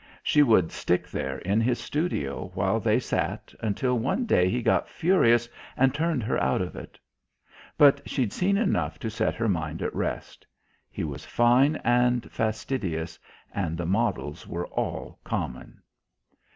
She would stick there, in his studio, while they sat, until one day he got furious and turned her out of it. But she'd seen enough to set her mind at rest. He was fine and fastidious, and the models were all "common."